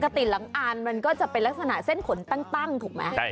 ติหลังอ่านมันก็จะเป็นลักษณะเส้นขนตั้งถูกไหม